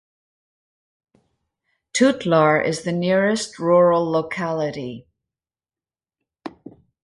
Tutlar is the nearest rural locality.